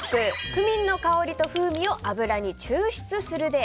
クミンの香りと風味を油に抽出する。